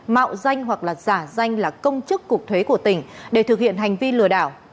mạo danh hoặc là giả danh là công chức cục thuế của tỉnh để thực hiện hành vi lừa đảo